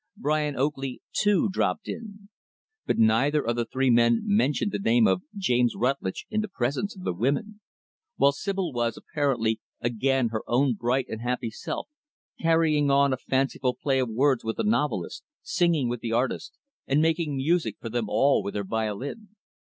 Brian Oakley, too, dropped in. But neither of the three men mentioned the name of James Rutlidge in the presence of the women; while Sibyl was, apparently, again her own bright and happy self carrying on a fanciful play of words with the novelist, singing with the artist, and making music for them all with her violin.